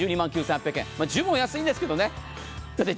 十分お安いんですけどね。